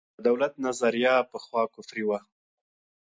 د دولت نظریه پخوا کفري وه.